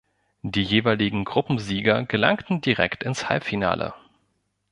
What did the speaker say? Die jeweiligen Gruppensieger gelangten direkt ins Halbfinale.